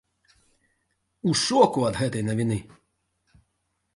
У шоку ад гэтай навіны.